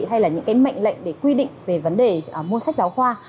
hay là những cái mệnh lệnh để quy định về vấn đề mua sách giáo khoa